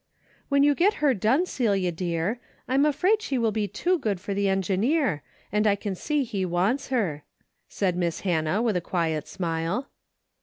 '' When you get her done, Celia dear, I'm afraid she will be too good for the engineer, and I can see he wants her," said Miss Hannah, Avith a quiet smile.